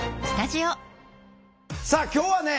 さあ今日はね